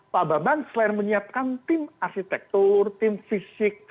pak bambang selain menyiapkan tim arsitektur tim fisik